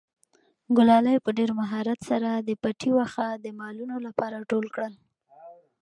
ګلالۍ په ډېر مهارت سره د پټي واښه د مالونو لپاره ټول کړل.